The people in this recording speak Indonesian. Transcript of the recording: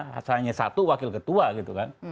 hanya satu wakil ketua gitu kan